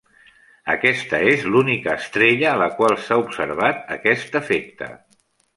Aquesta és l'única estrella a la qual s'ha observat aquest efecte.